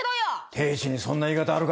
亭主にそんな言い方あるか。